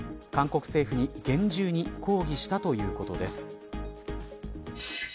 韓国政府に厳重に抗議したということです。